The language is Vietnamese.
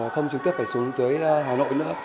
không trực tiếp phải xuống tới hà nội nữa